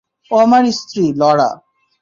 ও আমার স্ত্রী, লরা।